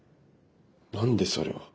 何でそれを？